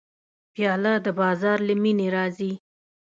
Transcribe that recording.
پیاله د بازار له مینې راځي.